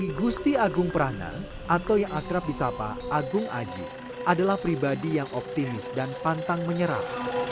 igusti agung prana atau yang akrab di sapa agung aji adalah pribadi yang optimis dan pantang menyerah